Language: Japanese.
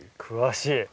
詳しい。